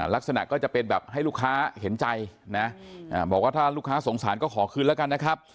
ลักษณะก็จะเป็นแบบให้ลูกค้าเห็นใจนะบอกว่าถ้าลูกค้าสงสารก็ขอคืนแล้วกันนะครับ